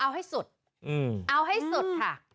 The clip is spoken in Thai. เอาให้สุดเอาให้สุดค่ะ